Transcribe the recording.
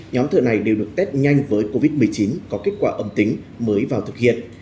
nhóm thợ này đều được test nhanh với covid một mươi chín có kết quả âm tính mới vào thực hiện